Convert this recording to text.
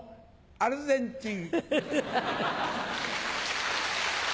アルゼンチン。